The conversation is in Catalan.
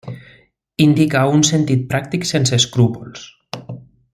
Indica un sentit pràctic sense escrúpols.